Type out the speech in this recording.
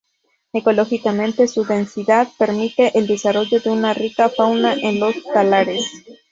Ecológicamente su densidad permite el desarrollo de una rica fauna en los talares.